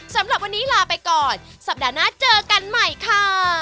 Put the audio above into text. สำหรับวันนี้ลาไปก่อนสัปดาห์หน้าเจอกันใหม่ค่ะ